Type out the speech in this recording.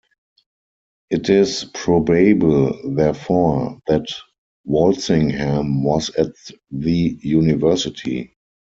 It is probable, therefore, that Walsingham was at the university.